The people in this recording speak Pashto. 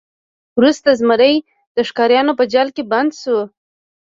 وروسته زمری د ښکاریانو په جال کې بند شو.